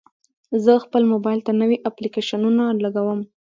زه خپل موبایل ته نوي اپلیکیشنونه لګوم.